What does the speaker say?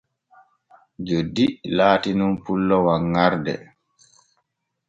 Joddi laati nun pullo wanŋarde.